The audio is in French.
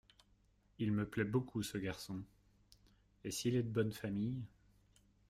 Il me plaît beaucoup, ce garçon… et s’il est d’une bonne famille…